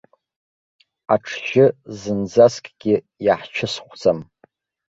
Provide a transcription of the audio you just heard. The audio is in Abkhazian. Аҽжьы зынӡаскгьы иаҳчысхәӡам.